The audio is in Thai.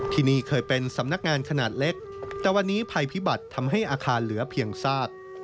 ที่นี่เคยเป็นสำนักงานขนาดเล็กแต่วันนี้ภัยพิบัติทำให้อาคารเหลือเพียงซาก